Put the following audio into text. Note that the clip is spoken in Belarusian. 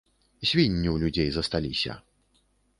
Свінні ў людзей засталіся.